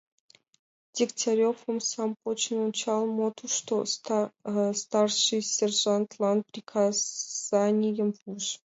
— Дегтярев, омсам почын ончал — мо тушто, — старший сержантлан приказанийым пуыш.